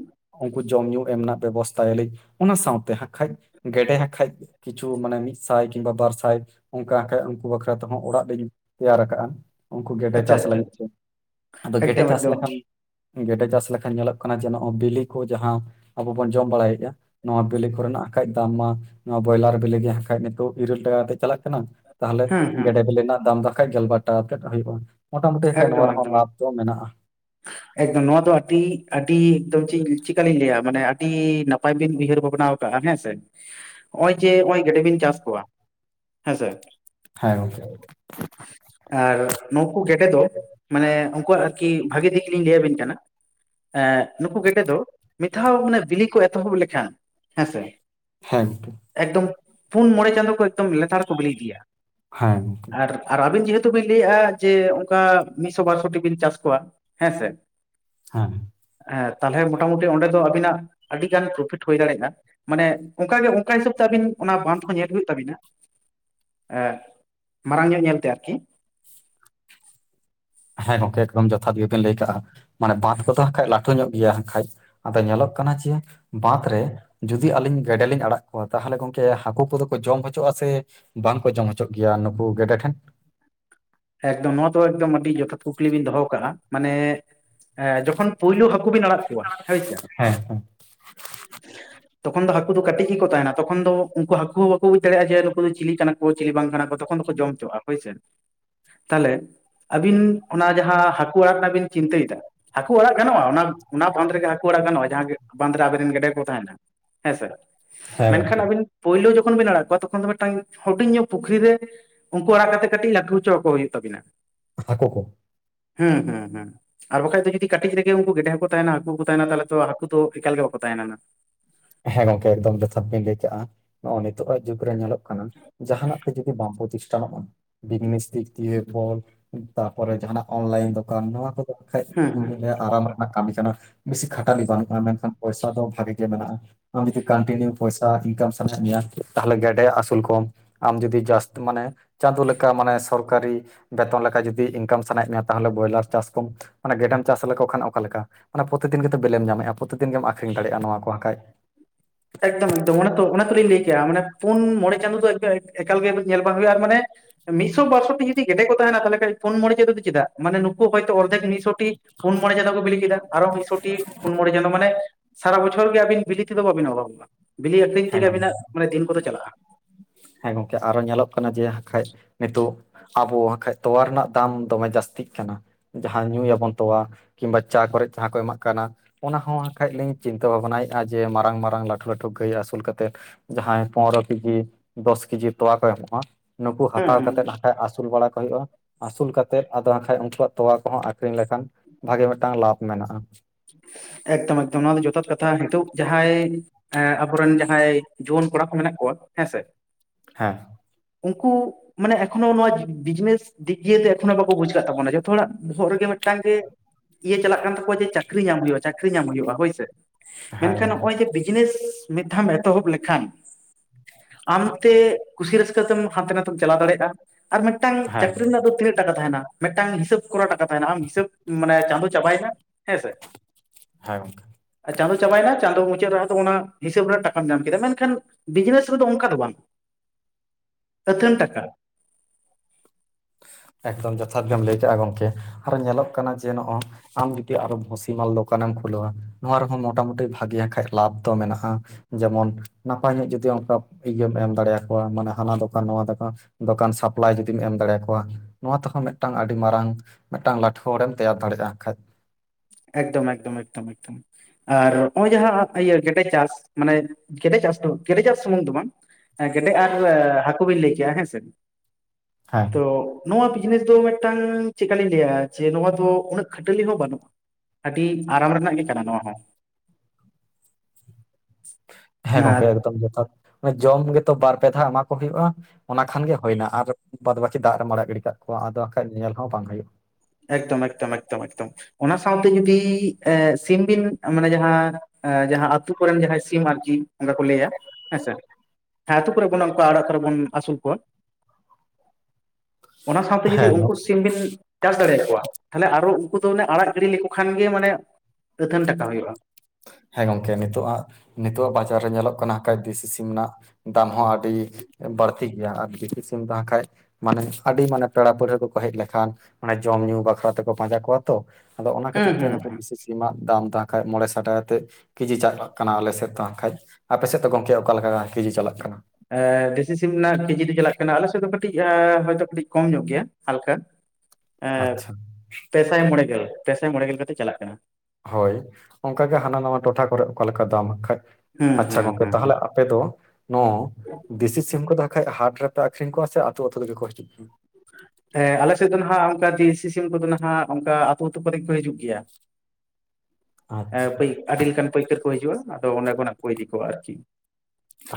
ᱩᱱᱠᱩ ᱡᱚᱢ ᱧᱩ ᱮᱢ ᱨᱮᱱᱟᱜ ᱵᱮᱵᱚᱥᱛᱷᱟᱭᱟᱞᱤᱧ ᱚᱱᱟ ᱥᱟᱶᱛᱮ ᱦᱟᱜᱠᱷᱟᱡ ᱜᱮᱰᱮ ᱦᱟᱠᱷᱟᱡ ᱠᱤᱪᱩ ᱢᱟᱱᱮ ᱢᱤᱫ ᱥᱟᱭ ᱠᱤᱱᱵᱟ ᱵᱟᱨ ᱥᱟᱭ ᱚᱱᱠᱟ ᱦᱟᱸᱜᱠᱷᱟᱡ ᱩᱱᱠᱩ ᱵᱟᱠᱷᱨᱟ ᱛᱮᱦᱚᱸ ᱚᱲᱟᱜ ᱨᱤᱧ ᱛᱮᱭᱟᱨ ᱟᱠᱟᱜ-ᱟ᱾ ᱩᱱᱠᱩ ᱜᱮᱰᱮ ᱟᱪᱪᱷᱟ ᱪᱟᱥ ᱟᱪᱪᱷᱟ ᱞᱟᱹᱜᱤᱫ ᱟᱪᱪᱷᱟ ᱛᱮ᱾ ᱟᱫᱚ ᱜᱮᱰᱮ ᱮᱠᱫᱚᱢ ᱪᱟᱥ ᱮᱠᱫᱚᱢ ᱞᱮᱠᱷᱟᱱ ᱜᱮᱰᱮ ᱪᱟᱥ ᱞᱮᱠᱷᱟᱱ ᱧᱮᱞᱚᱜ ᱠᱟᱱᱟ ᱡᱮ ᱱᱚᱜ-ᱚᱭ ᱵᱤᱞᱤ ᱠᱚ ᱡᱟᱦᱟᱸ ᱟᱵᱚ ᱵᱚᱱ ᱡᱚᱢ ᱵᱟᱲᱟᱭᱮᱫ-ᱟ᱾ ᱱᱚᱣᱟ ᱵᱮᱤᱞᱮ ᱠᱚᱨᱮᱱᱟᱜ ᱦᱟᱸᱠᱷᱟᱡ ᱫᱟᱢ ᱢᱟ ᱱᱚᱣᱟ ᱵᱚᱭᱞᱟᱨ ᱵᱮᱞᱮ ᱜᱮ ᱦᱟᱸᱜᱠᱷᱟᱡ ᱱᱤᱛᱚᱜ ᱤᱨᱟᱹᱞ ᱴᱟᱠᱟ ᱠᱟᱛᱮ ᱪᱟᱞᱟᱜ ᱠᱟᱱᱟ᱾ ᱛᱟᱦᱚᱞᱮ ᱦᱩᱸ ᱦᱩᱸ ᱜᱮᱰᱮ ᱵᱤᱞᱤ ᱨᱮᱱᱟᱜ ᱫᱟᱢ ᱫᱚ ᱦᱟᱠᱟᱱᱡ ᱜᱮᱞᱵᱟᱨ ᱴᱟᱠᱟ ᱛᱮᱫ ᱦᱩᱭᱩᱜ-ᱟ᱾ ᱢᱚᱴᱟᱢᱩᱴᱤ ᱦᱟᱠᱷᱟᱱ ᱱᱚᱣᱟ ᱮᱠᱫᱚᱢ ᱨᱮᱦᱚᱸ ᱮᱠᱫᱚᱢ ᱞᱟᱵᱷ ᱫᱚ ᱢᱮᱱᱟᱜ-ᱟ᱾ ᱮᱠᱫᱚᱢ ᱱᱚᱣᱟ ᱫᱚ ᱟᱹᱰᱤ ᱟᱹᱰᱤ ᱮᱠᱫᱚᱢ ᱪᱮᱫ ᱤᱧ ᱪᱤᱫᱠᱟᱞᱤᱧ ᱞᱟᱹᱭᱟ ᱢᱟᱱᱮ ᱟᱹᱰᱤ ᱱᱟᱯ ᱯᱟᱭ ᱵᱤᱱ ᱩᱭᱦᱟᱹᱨ ᱵᱷᱟᱵᱽᱱᱟᱣ ᱟᱠᱟᱟᱜ-ᱟ ᱦᱮᱸ ᱥᱮ᱾ ᱦᱚᱸᱜ-ᱚᱭ ᱡᱮ ᱚᱸᱭ ᱜᱮᱰᱮ ᱵᱤᱱ ᱪᱟᱥ ᱠᱚᱣᱟ ᱦᱮᱸᱥᱮ᱾ ᱦᱮᱸ ᱜᱚᱝᱠᱮ᱾ ᱟᱨ ᱱᱩᱝᱠᱩ ᱜᱮᱰᱮ ᱫᱚ ᱢᱟᱱᱮ ᱩᱱᱠᱩᱣᱟᱜ ᱟᱨᱠᱤ ᱵᱷᱟᱜᱤ ᱫᱤᱠ ᱞᱤᱧ ᱞᱟᱹᱭᱟᱵᱤᱱ ᱠᱟᱱᱟ ᱮᱸᱜ ᱱᱩᱠᱩ ᱜᱮᱰᱮ ᱫᱚ ᱢᱤᱫ ᱫᱷᱟᱣ ᱢᱟᱱᱮ ᱵᱤᱞᱤ ᱠᱚ ᱮᱛᱚᱦᱚᱵ ᱞᱮᱠᱷᱟᱱ ᱦᱮᱸᱥᱮ᱾ ᱦᱮᱸ ᱜᱚᱝᱠᱮ᱾ ᱮᱠᱫᱚᱢ ᱯᱩᱱ ᱢᱚᱬᱮ ᱪᱟᱸᱫᱳ ᱠᱚ ᱮᱠᱫᱚᱢ ᱞᱮᱛᱟᱲ ᱨᱮᱠᱚ ᱵᱤᱞᱤ ᱤᱫᱤᱭᱟ᱾ ᱦᱮᱸ ᱜᱚᱝᱠᱮ᱾ ᱟᱨ ᱟᱨ ᱟᱹᱵᱤᱱ ᱡᱮᱦᱮᱛᱩ ᱵᱤᱱ ᱞᱟᱹᱭᱮᱫᱼᱟ ᱡᱮ ᱚᱱᱠᱟ ᱢᱤᱫᱥᱚ ᱵᱟᱨᱥᱚᱴᱤ ᱵᱤᱱ ᱪᱟᱥ ᱠᱚᱣᱟ ᱦᱮᱸᱥᱮ᱾ ᱦᱮᱸ᱾ ᱦᱮᱸ ᱛᱟᱦᱚᱞᱮ ᱢᱳᱴᱟ ᱢᱩᱴᱤ ᱚᱸᱰᱮ ᱫᱚ ᱟᱵᱤᱱᱟᱜ ᱟᱹᱰᱤᱜᱟᱱ ᱯᱨᱚᱯᱷᱤᱴ ᱦᱩᱭ ᱫᱟᱲᱮᱭᱟᱜᱼᱟ᱾ ᱢᱟᱱᱮ ᱚᱱᱠᱟᱜᱮ ᱚᱱᱠᱟ ᱦᱤᱥᱟᱹᱵ ᱛᱮ ᱟᱹᱵᱤᱱ ᱚᱱᱟ ᱵᱟᱸᱫᱷ ᱦᱚᱸ ᱧᱮᱞ ᱦᱩᱭᱩᱜ ᱛᱟᱵᱤᱱᱟ᱾ ᱮ ᱢᱟᱨᱟᱝ ᱧᱚᱜ ᱧᱮᱞ ᱛᱮ ᱟᱨᱠᱤ᱾ [inaudible] ᱦᱮᱸ ᱜᱚᱝᱠᱮ ᱮᱠᱫᱚᱢ ᱡᱚᱛᱷᱟᱛ ᱜᱮᱵᱤᱱ ᱞᱟᱹᱭ ᱠᱟᱜ-ᱟ ᱢᱟᱱᱮ ᱵᱟᱸᱷ ᱠᱚᱫᱚ ᱦᱟᱸᱠᱟᱱᱡ ᱞᱟᱹᱴᱷᱩ ᱧᱚᱜ ᱜᱮᱭᱟ ᱦᱟᱸᱠᱷᱟᱡ᱾ ᱟᱫᱚ ᱧᱮᱞᱚᱜ ᱠᱟᱱᱟ ᱡᱮ ᱵᱟᱸᱫᱽᱷ ᱨᱮ ᱡᱩᱫᱤ ᱟᱹᱞᱤᱧ ᱜᱮᱰᱮ ᱞᱤᱧ ᱟᱲᱟᱜ ᱠᱚᱣᱟ ᱛᱟᱦᱚᱞᱮ ᱜᱚᱝᱠᱮ ᱦᱟᱹᱠᱩ ᱠᱚᱫᱚ ᱠᱚ ᱡᱚᱢ ᱦᱚᱪᱩᱜ ᱟᱥᱮ ᱵᱟᱝᱠᱚ ᱡᱚᱢ ᱦᱚᱪᱚᱜ ᱜᱮᱭᱟ ᱱᱩᱠᱩ ᱜᱮᱰᱮ ᱴᱷᱮᱱ? ᱮᱠᱫᱚᱢ ᱱᱚᱣᱟ ᱫᱚ ᱮᱠᱫᱚᱢ ᱟᱹᱰᱤ ᱡᱚᱛᱷᱟᱛ ᱠᱩᱠᱞᱤ ᱵᱤᱱ ᱫᱚᱦᱚ ᱠᱟᱜ-ᱟ᱾ ᱢᱟᱱᱮ ᱮ ᱡᱚᱠᱷᱚᱱ ᱯᱳᱭᱞᱳ ᱦᱟᱹᱠᱩ ᱵᱤᱱ ᱟᱲᱟᱜ ᱠᱚᱣᱟ ᱦᱳᱭᱥᱮ ᱦᱮᱸ ᱛᱚᱠᱷᱚᱱ ᱫᱚ ᱦᱟᱹᱠᱩ ᱫᱚ ᱠᱟᱹᱴᱤᱡ ᱜᱮᱠᱚ ᱛᱟᱦᱮᱱᱟ, ᱛᱚᱠᱷᱚᱱ ᱫᱚ ᱩᱱᱠᱩ ᱦᱟᱹᱠᱩ ᱵᱩᱡᱽ ᱫᱟᱲᱮᱭᱟᱜᱼᱟ ᱡᱮ ᱱᱩᱠᱩ ᱫᱚ ᱪᱤᱠᱤ ᱠᱟᱱᱟ ᱠᱩ, ᱪᱤᱞᱤ ᱵᱟᱝ ᱠᱟᱱᱟ ᱠᱩ ᱛᱚᱠᱷᱚᱱ ᱫᱚᱠᱚ ᱡᱚᱢ ᱦᱚᱪᱣᱟᱜᱼᱟ, ᱦᱳᱭᱥᱮ᱾ ᱛᱟᱦᱞᱮ, ᱟᱹᱵᱤᱱ ᱚᱱᱟ ᱡᱟᱸᱦᱟ ᱦᱟᱹᱠᱩ ᱟᱲᱟᱜ ᱨᱮᱱᱟᱜ ᱵᱤᱱ ᱪᱤᱱᱛᱟᱹ ᱭᱮᱫᱟ ᱦᱟᱹᱠᱩ ᱟᱲᱟᱜ ᱜᱟᱱᱚᱜᱼᱟ, ᱚᱱᱟ ᱚᱱᱟ ᱵᱟᱸᱫᱽ ᱨᱮᱜᱮ ᱦᱟᱹᱠᱩ ᱟᱲᱟᱜ ᱜᱟᱱᱚᱜᱼᱟ ᱡᱟᱦᱟᱸ ᱜᱮ ᱵᱟᱸᱫᱽ ᱨᱮ ᱟᱵᱮᱱ ᱨᱮᱱ ᱜᱮᱰᱮ ᱠᱚ ᱛᱟᱸᱦᱮᱱᱟ? ᱦᱮᱸ ᱥᱮ, ᱦᱮᱸ ᱢᱮᱱᱠᱷᱟᱱ ᱜᱚᱝᱠᱮ ᱟᱹᱵᱤᱱ ᱯᱳᱭᱞᱳ ᱡᱚᱠᱷᱚᱱ ᱵᱤᱱ ᱟᱲᱟᱜ ᱠᱚᱣᱟ ᱛᱚᱠᱷᱚᱱ ᱫᱚ ᱢᱮᱫᱴᱟᱝ ᱦᱩᱰᱤᱧ ᱧᱚᱜ ᱯᱩᱠᱷᱨᱤ ᱨᱮ ᱩᱱᱠᱩ ᱟᱲᱟᱜ ᱠᱟᱛᱮ ᱠᱟᱹᱴᱤᱡ ᱞᱟᱹᱴᱷᱩ ᱦᱚᱪᱚ ᱦᱳᱭᱳᱜ ᱛᱟᱵᱤᱱᱟ᱾ ᱦᱟᱠᱳ ᱠᱚ᱾ ᱦᱩᱸ ᱦᱩᱸ ᱦᱩᱸ᱾ ᱟᱨ ᱵᱟᱠᱷᱟᱡ ᱫᱚ ᱡᱩᱫᱤ ᱠᱟᱹᱴᱤᱡ ᱨᱮᱜᱮ ᱩᱱᱠᱩ ᱜᱮᱰᱮ ᱦᱚᱸᱠᱩ ᱛᱟᱸᱦᱮᱱᱟ ᱦᱟᱹᱠᱩ ᱦᱟᱸᱠᱚ ᱛᱟᱦᱮᱱᱟ ᱛᱟᱦᱞᱮ ᱛᱚ ᱦᱟᱹᱠᱩ ᱫᱚ ᱮᱠᱟᱞ ᱜᱮ ᱵᱟᱠᱚ ᱛᱟᱸᱦᱮᱱᱟ᱾ ᱦᱮᱸ ᱜᱚᱢᱠᱮ ᱮᱠᱫᱚᱢ ᱡᱚᱛᱷᱟᱛ ᱵᱤᱱ ᱞᱟᱹᱭ ᱠᱟᱜᱼᱟ, ᱱᱚᱜᱼᱚᱭ ᱱᱤᱛᱚᱜᱼᱟᱜ ᱡᱩᱜᱽ ᱨᱮ ᱧᱮᱞᱚᱜ ᱠᱟᱱᱟ ᱡᱟᱸᱦᱟᱱᱟᱜ ᱛᱮ ᱡᱩᱫᱤ ᱵᱟᱝ ᱠᱚ ᱪᱤᱥᱴᱟᱱᱚᱜᱼᱟ [unintelligible] ᱫᱤᱭᱮ ᱵᱚᱞ ᱛᱟᱯᱚᱨᱮ ᱡᱟᱸᱦᱟᱱᱟᱜ ᱚᱱᱞᱟᱭᱤᱱ ᱫᱚᱠᱟᱱ ᱱᱚᱣᱟ ᱠᱚᱫᱚ ᱵᱟᱠᱷᱟᱡ ᱦᱩᱸ ᱤᱧ ᱦᱩᱸ ᱫᱚᱧ ᱞᱟᱹᱭᱟ ᱟᱨᱟᱢ ᱨᱮᱱᱟᱜ ᱠᱟᱹᱢᱤ ᱠᱟᱱᱟ, ᱵᱤᱥᱤ ᱠᱷᱟᱴᱟᱞᱤ ᱵᱟᱹᱱᱩᱜᱼᱟ, ᱢᱮᱱᱠᱷᱟᱱ ᱯᱚᱭᱥᱟ ᱫᱚ ᱵᱷᱟᱜᱮ ᱜᱮ ᱢᱮᱱᱟᱜᱼᱟ, ᱟᱢ ᱡᱩᱫᱤ ᱠᱟᱱᱴᱤᱱᱤᱭᱩ ᱯᱚᱭᱥᱟ ᱤᱱᱠᱟᱢ ᱥᱟᱱᱟᱭᱮᱫ ᱢᱮᱭᱟ ᱛᱟᱦᱞᱮ ᱜᱮᱰᱮ ᱟᱹᱥᱩᱞ ᱠᱚᱢ᱾ ᱟᱢ ᱡᱩᱫᱤ ᱡᱟᱥᱛ ᱢᱟᱱᱮ ᱪᱟᱸᱫᱳ ᱞᱮᱠᱟ ᱢᱟᱱᱮ ᱥᱚᱨᱠᱟᱨᱤ ᱵᱮᱛᱚᱱ ᱞᱮᱠᱟ ᱡᱩᱫᱤ ᱤᱱᱠᱟᱢ ᱥᱟᱱᱟᱭᱮᱫ ᱢᱮᱭᱟ ᱛᱟᱦᱚᱞᱮ ᱵᱚᱭᱞᱟᱨ ᱪᱟᱥ ᱠᱚᱢ᱾ ᱢᱟᱱᱮ ᱜᱮᱰᱮᱢ ᱪᱟᱥ ᱞᱮᱠᱚ ᱠᱷᱟᱱ ᱚᱠᱟ ᱞᱮᱠᱟ, ᱢᱟᱱᱮ ᱯᱨᱚᱛᱤᱫᱤᱱ ᱜᱮᱛᱚ ᱵᱮᱞᱮᱢ ᱧᱟᱢᱮᱫᱼᱟ ᱯᱨᱚᱛᱤᱫᱤᱱ ᱜᱮᱢ ᱟᱠᱷᱨᱤᱧ ᱫᱟᱲᱮᱭᱟᱜᱼᱟ ᱱᱚᱣᱟ ᱠᱚ ᱵᱟᱠᱷᱟᱡ᱾ ᱮᱠᱫᱚᱢ ᱮᱠᱫᱚᱢ ᱚᱱᱮ ᱛᱚ ᱚᱱᱟ ᱛᱚᱞᱤᱧ ᱞᱟᱹᱭ ᱠᱮᱜ-ᱟ ᱢᱟᱱᱮ ᱯᱩᱱ ᱢᱚᱬᱮ ᱪᱟᱸᱫᱳ ᱫᱚ ᱮᱠᱟᱞ ᱜᱮ ᱧᱮᱞ ᱵᱟᱝ ᱦᱳᱭᱳᱜᱼᱟ ᱟᱨ ᱢᱟᱱᱮ ᱢᱤᱫᱥᱚ ᱵᱟᱨᱥᱚ ᱴᱤ ᱡᱩᱫᱤ ᱜᱮᱰᱮ ᱠᱚ ᱛᱟᱸᱦᱮᱱᱟ ᱛᱟᱦᱞᱮ ᱠᱷᱟᱱ ᱯᱷᱩᱱ ᱢᱚᱬᱮ ᱪᱟᱫᱩ ᱫᱚ ᱪᱮᱫᱟᱜ? ᱢᱟᱱᱮ ᱱᱩᱠᱩ ᱦᱚᱭᱛᱳ ᱚᱨᱫᱮᱠ ᱢᱤᱫᱥᱚᱴᱤ ᱯᱩᱱ ᱢᱚᱬᱮ ᱪᱟᱸᱫᱚ ᱠᱚ ᱵᱤᱞᱤ ᱠᱮᱫᱟ ᱟᱨᱚ ᱢᱤᱫᱥᱚ ᱴᱤ ᱯᱩᱱ ᱢᱚᱬᱮ ᱪᱟᱸᱫᱚ ᱢᱟᱱᱮ ᱥᱟᱨᱟ ᱵᱚᱪᱷᱚᱨ ᱜᱮ ᱟᱹᱵᱤᱱ ᱵᱤᱞᱤ ᱛᱮᱫᱚ ᱵᱟᱹᱵᱤᱱ ᱚᱰᱷᱟᱵᱚᱜ-ᱟ, ᱵᱤᱞᱤ ᱟᱹᱠᱷᱨᱤᱧ ᱦᱮᱸ ᱛᱮᱜᱮ ᱜᱚᱝ ᱟᱵᱤᱱᱟᱜ ᱢᱟᱱᱮ ᱫᱤᱱ ᱠᱚᱫᱚ ᱪᱟᱞᱟᱜᱼᱟ᱾ ᱦᱮᱸ ᱜᱚᱢᱠᱮ ᱟᱨᱚ ᱧᱮᱞᱚᱜ ᱠᱟᱱᱟ ᱡᱮ ᱦᱟᱸᱜ ᱠᱷᱟᱡ ᱱᱤᱛᱚᱜ ᱟᱵᱚ ᱦᱟᱜᱠᱷᱟᱡ ᱛᱚᱣᱟ ᱨᱮᱱᱟᱜ ᱫᱟᱢ ᱫᱚᱢᱮ ᱡᱟᱹᱥᱛᱤᱜ ᱠᱟᱱᱟ, ᱡᱟᱦᱟᱸ ᱧᱩᱭᱟᱵᱚᱱ ᱛᱚᱣᱟ ᱠᱤᱝᱵᱟ ᱪᱟ ᱠᱚᱨᱮ ᱡᱟᱸᱦᱟ ᱠᱚ ᱮᱢᱟᱜ ᱠᱟᱱᱟ᱾ ᱚᱱᱟ ᱦᱚᱸ ᱦᱟᱸᱜ ᱠᱷᱟᱡ ᱞᱤᱧ ᱪᱤᱱᱛᱟᱹ ᱵᱷᱟᱵᱽᱱᱟ ᱭᱮᱫᱼᱟ ᱡᱮ ᱢᱟᱨᱟᱝ ᱢᱟᱨᱟᱝ ᱞᱟᱹᱴᱷᱩ ᱞᱟᱹᱴᱷᱩ ᱜᱟᱹᱭ ᱟᱹᱥᱩᱞ ᱠᱟᱛᱮᱫ ᱡᱟᱸᱦᱟᱸᱭ ᱯᱚᱱᱨᱚ ᱠᱮᱡᱤ, ᱫᱚᱥ ᱠᱮᱡᱤ ᱛᱚᱣᱟ ᱠᱚ ᱮᱢᱚᱜᱼᱟ, ᱱᱩᱠᱩ ᱦᱮᱸ ᱦᱟᱛᱟᱣ ᱦᱮᱸ ᱠᱟᱛᱮᱜ ᱮ ᱟᱹᱥᱩᱞ ᱵᱟᱲᱟ ᱠᱚ ᱦᱳᱭᱳᱜᱼᱟ, ᱟᱹᱥᱩᱞ ᱠᱟᱛᱮᱫ ᱟᱫᱚ ᱦᱟᱸᱜ ᱠᱷᱟᱡ ᱩᱱᱠᱩᱣᱟᱜ ᱛᱚᱣᱟ ᱠᱚᱦᱚᱸ ᱟᱹᱠᱷᱨᱤᱧ ᱞᱮᱠᱷᱟᱱ ᱵᱷᱟᱜᱮ ᱢᱮᱫᱴᱟᱝ ᱞᱟᱵᱷ ᱢᱮᱱᱟᱜᱼᱟ᱾ ᱮᱠᱫᱚᱢ ᱮᱠᱫᱚᱢ ᱱᱚᱣᱟ ᱫᱚ ᱡᱚᱛᱷᱟᱛ ᱠᱟᱛᱷᱟ, ᱱᱤᱛᱚᱜ ᱡᱟᱸᱦᱟᱸᱭ ᱮᱸ ᱟᱵᱚᱨᱮᱱ ᱡᱟᱦᱟᱸᱭ ᱡᱩᱣᱟᱹᱱ ᱠᱚᱲᱟ ᱠᱚ ᱢᱮᱱᱟᱜ ᱠᱚᱣᱟ ᱦᱮᱸᱥᱮ ᱦᱮᱸ ᱩᱱᱠᱩ ᱢᱟᱱᱮ ᱮᱠᱷᱚᱱᱚ ᱱᱚᱣᱟ ᱵᱤᱡᱽᱱᱮᱥ ᱫᱤᱠ ᱫᱤᱭᱮ ᱫᱚ ᱮᱠᱷᱚᱱᱚ ᱵᱟᱠᱚ ᱵᱩᱡ ᱟᱠᱟᱫ ᱛᱟᱵᱚᱱᱟ, ᱡᱷᱚᱛᱚ ᱦᱚᱲᱟᱜ ᱵᱚᱦᱚᱜ ᱨᱮᱜᱮ ᱢᱤᱫᱴᱟᱝ ᱜᱮ ᱤᱭᱟᱹ ᱪᱟᱞᱟᱜ ᱠᱟᱱ ᱛᱟᱠᱚᱣᱟ ᱡᱮ ᱪᱟ ᱪᱟᱹᱠᱨᱤ ᱧᱟᱢ ᱦᱳᱭᱳᱜᱼᱟ ᱪᱟᱹᱠᱨᱤ ᱧᱟᱢ ᱦᱳᱭᱳᱜᱼᱟ, ᱦᱳᱭᱥᱮ᱾ ᱦᱮᱸ ᱢᱮᱱᱠᱷᱟᱱ ᱜᱚᱝᱠᱮ ᱱᱚᱜᱼᱚᱭ ᱡᱮ ᱵᱤᱡᱽᱱᱮᱥ ᱢᱤᱫ ᱫᱷᱟᱣ ᱮᱢ ᱮᱛᱚᱦᱚᱵ ᱞᱮᱠᱷᱟᱱ ᱟᱢ ᱛᱮ ᱠᱩᱥᱤ ᱨᱟᱹᱥᱠᱟᱹ ᱛᱮᱢ ᱦᱟᱱᱛᱮ ᱱᱟᱛᱮᱢ ᱪᱟᱞᱟᱣ ᱫᱟᱲᱮᱭᱟᱜᱼᱟ, ᱟᱨ ᱢᱤᱫ ᱢᱤᱫᱴᱟᱝ ᱦᱮᱸ ᱪᱟᱹᱠᱨᱤ ᱨᱮᱱᱟᱜ ᱫᱚ ᱛᱤᱱᱟᱹᱜ ᱴᱟᱠᱟ ᱛᱟᱸᱦᱮᱱᱟ ᱢᱮᱫᱴᱟᱝ ᱦᱤᱥᱟᱹᱵ ᱠᱚᱨᱟ ᱴᱟᱠᱟ ᱛᱟᱸᱦᱮᱱᱟ ᱟᱢ ᱦᱤᱥᱟᱹᱵ ᱢᱟᱱᱮ ᱪᱟᱸᱫᱳ ᱪᱟᱵᱟᱭᱮᱱᱟ ᱦᱮᱸ ᱥᱮ‍? ᱦᱮᱸ ᱜᱚᱢᱠᱮ᱾ ᱟᱨ ᱪᱟᱸᱫᱳ ᱪᱟᱵᱟᱭᱮᱱᱟ ᱪᱟᱸᱫᱳ ᱢᱩᱪᱟᱹᱫ ᱨᱮ ᱟᱫᱚ ᱚᱱᱟ ᱦᱤᱥᱟᱹᱵ ᱨᱮᱱᱟᱜ ᱴᱟᱠᱟᱢ ᱧᱟᱢ ᱠᱮᱫᱟ, ᱢᱮᱱᱠᱷᱟᱱ ᱵᱤᱡᱽᱱᱮᱥ ᱨᱮᱫᱚ ᱚᱱᱠᱟ ᱫᱚ ᱵᱟᱝ, ᱟᱹᱛᱷᱟᱹᱱ ᱴᱟᱠᱟ᱾ ᱮᱠᱫᱚᱢ ᱡᱚᱛᱷᱟᱛ ᱜᱮᱢ ᱞᱟᱹᱭ ᱠᱟᱜᱼᱟ ᱜᱚᱢᱠᱮ, ᱟᱨᱚ ᱧᱮᱞᱚᱜ ᱠᱟᱱᱟ ᱡᱮ ᱱᱚᱜᱼᱚᱭ ᱟᱢ ᱡᱩᱫᱤ ᱟᱨᱚ ᱵᱷᱩᱥᱤᱢᱟᱞ ᱫᱚᱠᱟᱱᱮᱢ ᱠᱷᱩᱞᱟᱹᱣᱟ, ᱱᱚᱣᱟ ᱨᱮᱦᱚᱸ ᱢᱚᱴᱟᱢᱩᱴᱤ ᱵᱷᱟᱜᱮ ᱦᱟᱜ ᱠᱷᱟᱡ ᱞᱟᱵᱷ ᱫᱚ ᱢᱮᱱᱟᱜᱼᱟ᱾ ᱡᱮᱢᱚᱱ ᱱᱟᱯᱟᱭ ᱧᱚᱜ ᱡᱩᱫᱤ ᱚᱱᱠᱟᱢ ᱤᱭᱟᱹᱢ ᱮᱢ ᱫᱟᱲᱮᱭᱟ ᱠᱚᱣᱟ ᱢᱟᱱᱮ ᱦᱟᱱᱟ ᱫᱚᱠᱟᱱ ᱱᱚᱣᱟ ᱫᱚᱠᱟᱱ ᱫᱚᱠᱟᱱ ᱥᱟᱯᱞᱟᱭ ᱡᱩᱫᱤᱢ ᱮᱢ ᱫᱟᱲᱮᱭᱟ ᱠᱚ ᱱᱚᱣᱟ ᱛᱮᱦᱚᱸ ᱢᱮᱫᱴᱟᱝ ᱟᱹᱰᱤ ᱢᱟᱨᱟᱝ, ᱢᱮᱫᱴᱟᱝ ᱞᱟᱹᱴᱷᱩ ᱦᱚᱲᱮᱢ ᱛᱮᱭᱟᱨ ᱫᱟᱲᱮᱭᱟᱜ-ᱟ, ᱦᱟᱸᱜ ᱠᱷᱟᱡ᱾ ᱮᱠᱫᱚᱢ ᱮᱠᱫᱚᱢ ᱮᱠᱫᱚᱢ ᱮᱠᱫᱚᱢ᱾ ᱟᱨ ᱱᱚᱜ-ᱚᱭ ᱡᱟᱦᱟᱸ ᱤᱭᱟᱹ ᱜᱮᱰᱮ ᱪᱟᱥ ᱢᱟᱱᱮ ᱜᱮᱰᱮ ᱪᱟᱥ ᱫᱚ ᱜᱮᱰᱮ ᱪᱟᱥ ᱥᱩᱢᱩᱝ ᱫᱚ ᱵᱟᱝ ᱮᱸ ᱜᱮᱰᱮ ᱟᱨ ᱦᱟᱹᱠᱩ ᱵᱤᱱ ᱞᱟᱹᱭ ᱠᱮᱜ-ᱟ ᱦᱮᱸ ᱥᱮ? ᱦᱮᱸ ᱛᱚ ᱱᱚᱣᱟ ᱵᱤᱡᱽᱱᱮᱥ ᱫᱚ ᱢᱤᱫᱴᱟᱝ ᱪᱮᱫ ᱠᱟᱞᱤᱧ ᱞᱟᱹᱭᱟ, ᱡᱮ ᱱᱚᱣᱟ ᱫᱚ ᱩᱱᱟᱹᱜ ᱠᱷᱟᱹᱴᱟᱹᱞᱤ ᱦᱚᱸ ᱵᱟᱹᱱᱩᱜ-ᱟ᱾ ᱟᱹᱰᱤ ᱟᱨᱟᱢ ᱨᱮᱱᱟᱜ ᱜᱮ ᱠᱟᱱᱟ ᱱᱚᱣᱟ ᱦᱚᱸ᱾ ᱦᱮᱸ ᱟᱨ ᱜᱚᱝᱠᱮ ᱮᱠᱫᱚᱢ ᱡᱚᱛᱷᱟᱛ ᱟᱱᱮ ᱡᱚᱢ ᱜᱮᱛᱚ ᱵᱟᱨ ᱯᱮ ᱫᱷᱟᱣ ᱮᱢᱟ ᱠᱚ ᱦᱩᱭᱩᱜ-ᱟ᱾ ᱚᱱᱟ ᱠᱷᱟᱱ ᱜᱮ ᱦᱩᱭᱱᱟ ᱟᱨ ᱵᱟᱫᱽ ᱵᱟᱹᱠᱤ ᱫᱟᱜ ᱨᱮᱢ ᱟᱲᱟᱜ ᱜᱤᱰᱤ ᱠᱟᱜ ᱠᱚᱣᱟ ᱟᱫᱚ ᱦᱟᱸᱜ ᱠᱷᱟᱡ ᱧᱮᱞ ᱦᱚᱸ ᱵᱟᱝ ᱦᱩᱭᱩᱜ ᱮᱠᱫᱚᱢ ᱮᱠᱫᱚᱢ ᱮᱠᱫᱚᱢ ᱮᱠᱫᱚᱢ, ᱚᱱᱟ ᱥᱟᱶᱛᱮ ᱡᱩᱫᱤ ᱮ ᱥᱤᱢ ᱵᱤᱱ ᱢᱟᱱᱮ ᱡᱟᱦᱟᱸ ᱡᱟᱦᱟᱸ ᱟ- ᱛᱩ ᱠᱚᱨᱮᱱ ᱡᱟᱦᱟᱸᱭ ᱥᱤᱢ ᱟᱨᱠᱤ ᱚᱱᱠᱟ ᱠᱚ ᱞᱟᱹᱭᱟ ᱦᱮᱸᱥᱮ, ᱦᱮᱸ ᱟᱹᱛᱩ ᱠᱚᱨᱮ ᱵᱚᱱ ᱚᱱᱠᱟ ᱚᱲᱟᱜ ᱠᱚᱨᱮ ᱵᱚᱱ ᱟᱹᱥᱩᱞ ᱠᱚᱣᱟ᱾ ᱚᱱᱟ ᱥᱟᱶᱛᱮ ᱡᱩᱫᱤ ᱦᱮᱸ ᱩᱱᱠᱩ ᱥᱤᱢ ᱵᱤᱱ ᱪᱟᱥ ᱫᱟᱲᱮᱭᱟ ᱠᱚᱣᱟ᱾ ᱛᱟᱦᱚᱞᱮ ᱟᱨᱚ ᱩᱱᱠᱩ ᱫᱚ ᱚᱱᱮ ᱟᱲᱟᱜ ᱜᱤᱲᱤ ᱞᱮᱠᱚ ᱠᱷᱟᱱ ᱜᱮ ᱢᱟᱱᱮ ᱟᱹᱛᱷᱟᱹᱱ ᱴᱟᱠᱟ ᱦᱩᱭᱩᱜ-ᱟ᱾ ᱦᱮᱸ ᱜᱚᱝᱠᱮ ᱱᱤᱛᱚᱜ ᱟᱜ ᱱᱤᱛᱳᱜ-ᱟᱜ ᱵᱟᱡᱟᱨ ᱨᱮ ᱧᱮᱞᱚᱜ ᱠᱟᱱᱟ ᱦᱟᱸᱜ ᱠᱷᱟᱡ ᱫᱮᱥᱤ ᱥᱤᱢ ᱨᱮᱱᱟᱜ ᱫᱟᱢ ᱦᱚᱸ ᱟᱹᱰᱤ ᱵᱟᱹᱲᱛᱤ ᱜᱮᱭᱟ ᱟᱨ ᱫᱮᱥᱤ ᱥᱤᱢ ᱛᱟᱦᱮᱸ ᱠᱷᱟᱡ [unintelligible] ᱟᱹᱰᱤ ᱢᱟᱱᱮ ᱯᱮᱲᱟ ᱯᱟᱹᱲᱦᱟᱹ ᱠᱚᱠᱚ ᱦᱮᱡ ᱞᱮᱠᱷᱟᱱ ᱢᱟᱱᱮ ᱡᱚᱢ, ᱧᱩ ᱵᱟᱠᱷᱨᱟ ᱛᱮᱠᱚ ᱯᱟᱸᱡᱟ ᱠᱚᱣᱟ᱾ ᱛᱚ ᱟᱫᱚ ᱚᱱᱟ ᱠᱷᱟᱹᱛᱤᱨ ᱦᱩᱸ ᱛᱮ ᱦᱩᱸ ᱱᱩᱠᱩ ᱦᱩᱸ ᱫᱮᱥᱤ ᱥᱤᱢ-ᱟᱜ ᱫᱟᱢ ᱛᱟᱦᱮᱸ ᱠᱷᱟᱡ ᱢᱚᱬᱮ ᱥᱟᱭ ᱴᱟᱠᱟ ᱠᱟᱛᱮᱫ᱾ ᱠᱮᱡᱤ ᱪᱟᱞᱟᱜ ᱠᱟᱱᱟ ᱟᱞᱮ ᱥᱮᱫ ᱫᱚ ᱦᱟᱸᱜ ᱠᱷᱟᱡ ᱟᱯᱮ ᱥᱮᱫ ᱫᱚ ᱜᱚᱝᱠᱮ ᱚᱠᱟ ᱞᱮᱠᱟ ᱠᱮᱡᱤ ᱪᱟᱞᱟᱜ ᱠᱟᱱᱟ? ᱮ ᱫᱮᱥᱤ ᱥᱤᱢ ᱨᱮᱱᱟᱜ ᱠᱮᱡᱤ ᱫᱚ ᱪᱟᱞᱟᱜ ᱠᱟᱱᱟ ᱟᱞᱮ ᱥᱮᱫ ᱫᱚ ᱠᱟᱹᱴᱤᱡ ᱦᱚᱭ ᱛᱚ ᱠᱟᱹᱴᱤᱡ ᱠᱚᱢ ᱧᱚᱜ ᱜᱮᱭᱟ ᱦᱟᱞᱠᱟ᱾ ᱮ ᱟᱪᱪᱷᱟ ᱯᱮᱥᱟᱭ ᱢᱚᱬᱮ ᱜᱮᱞ, ᱯᱮᱥᱟᱭ ᱢᱚᱬᱮ ᱜᱮᱞ ᱠᱟᱛᱮ ᱪᱟᱞᱟᱜ ᱠᱟᱱᱟ᱾ ᱦᱳᱭ ᱚᱱᱠᱟ ᱜᱮ ᱦᱟᱱᱟ ᱱᱟᱣᱟ ᱴᱚᱴᱷᱟ ᱠᱚᱨᱮᱝ ᱚᱠᱟ ᱞᱮᱠᱟ ᱫᱟᱢ ᱦᱟᱸᱜ ᱠᱷᱟᱡ ᱦᱩᱸ ᱟᱪᱪᱷᱟ ᱦᱩᱸ ᱜᱚᱝᱠᱮ ᱦᱩᱸ ᱦᱩᱸ ᱛᱟᱦᱚᱞᱮ ᱟᱯᱮ ᱫᱚ ᱱᱚ ᱫᱮᱥᱤ ᱥᱤᱢ ᱠᱚᱫᱚ ᱦᱟᱸ-ᱠᱷᱟᱡ ᱦᱟᱴ ᱨᱮᱯᱮ ᱟᱹᱠᱷᱨᱤᱧ ᱠᱚᱣᱟ ᱥᱮ ᱟᱹᱛᱩ ᱟᱹᱛᱩ ᱨᱮᱜᱮ ᱠᱚ ᱦᱤᱡᱩᱜ ᱠᱟᱱᱟ? ᱦᱮᱸ ᱟᱞᱮ ᱥᱮᱫ ᱫᱚ ᱱᱟᱦᱟᱜ ᱚᱱᱠᱟ ᱫᱮᱥᱤ ᱥᱤᱢ ᱠᱚᱫᱚ ᱱᱟᱦᱟᱜ ᱚᱱᱠᱟ ᱟᱹᱛᱩ ᱟᱹᱛᱩ ᱠᱚᱨᱮ ᱠᱚ ᱦᱤᱡᱩᱜ ᱜᱮᱭᱟ᱾ [inaudible] ᱮ ᱟᱪᱪᱷᱟ ᱯᱟᱹᱭ ᱟᱹᱰᱤ ᱞᱮᱠᱟᱱ ᱯᱟᱹᱭᱠᱟᱹᱨ ᱠᱚ ᱦᱤᱡᱩᱜ-ᱟ, ᱟᱫᱚ ᱚᱸᱰᱮ ᱠᱷᱚᱱᱟᱜ ᱠᱚ ᱤᱫᱤ ᱠᱚᱣᱟ ᱟᱨᱠᱤ᱾